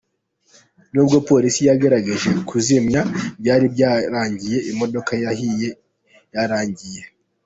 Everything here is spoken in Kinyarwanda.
N'ubwo Polisi yagerageje kuzimya, byari byarangiye imodoka yahiye yarangiye.